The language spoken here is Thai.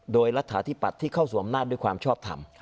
โดยรัฐฐาที่ปัดที่เข้าสู่อำนาจด้วยความชอบธรรม